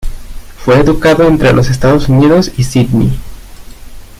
Fue educado entre los Estados Unidos y Sídney.